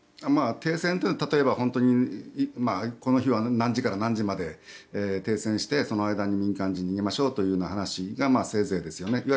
停戦というのは本当に、この日は何時から何時まで停戦してその間に民間人に逃げましょうというのがせいぜいですよね。